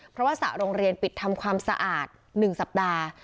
เพราะว่าสระโรงเรียนปิดทำความสะอาด๑สัปดาห์